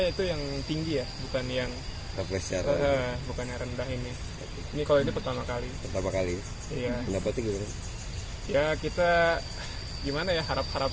itu yang tinggi ya bukan yang raflesia ini kalau ini pertama kali ya kita gimana ya harap harap